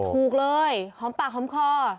ถูกเลยหอมปากหอมคอ